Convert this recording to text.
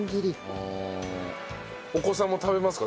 お子さんも食べますか？